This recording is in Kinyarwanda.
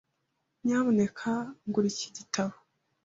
Nyamuneka ngura iki gitabo.